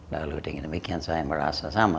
lalu dengan demikian saya merasa sama